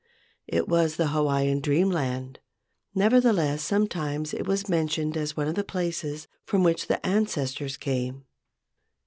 It was the Hawaiian dreamland. Nevertheless, sometimes it was mentioned as one of the places from which the ancestors came.